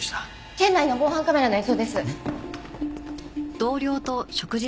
店内の防犯カメラの映像です。